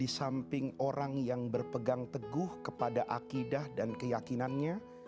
disamping orang yang berpegang teguh kepada akidah dan keyakinannya